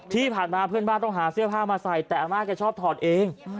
ที่ผ่านมาเพื่อนบ้านต้องหาเสื้อผ้ามาใส่แต่อาม่าแกชอบถอดเอง